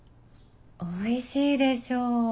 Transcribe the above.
おいしいでしょ？